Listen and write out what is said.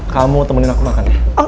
kamu temenin aku makan ya